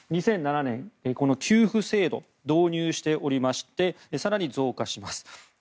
２００７年、この給付制度を導入しておりまして更に増加します。